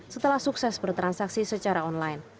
setelah sukses bertransaksi secara online